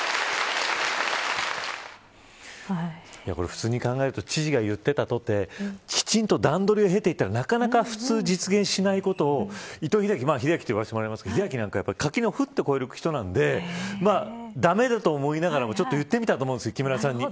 普通に考えると知事が言っていたとてきちんと段取りを経ていったらなかなか普通実現しないことを英明と呼ばせてもらいますが垣根をふっと越える人なんで駄目だと思いながらもちょっと言ってみたんだと思うんです木村さんに。